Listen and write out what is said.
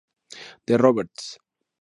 D. Roberts.